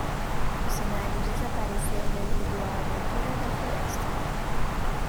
O cenário desapareceu devido à abertura da floresta